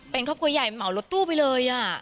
เป็นครอบครัวใหญ่เหมารถตู้ไปเลย